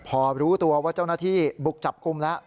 พอรู้ตัวว่าเจ้าหน้าที่บุกจับกลุ่มแล้ว